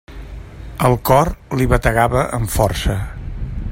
El cor li bategava amb força.